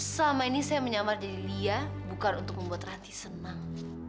selama ini saya menyamar jadi lia bukan untuk membuat ranti senang